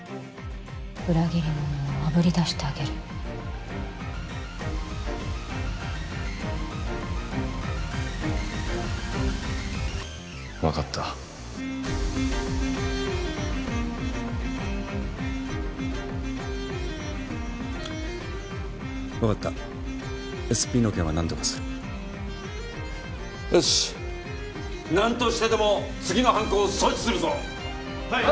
裏切り者をあぶり出してあげる分かった分かった ＳＰ の件は何とかするよし何としてでも次の犯行を阻止するぞはい！